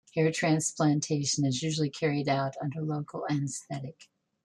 Hair transplantation is usually carried out under local anaesthetic.